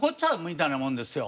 みたいなもんですよ。